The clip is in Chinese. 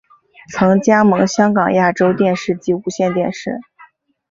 曾加盟香港亚洲电视及无线电视。